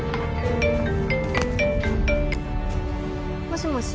もしもし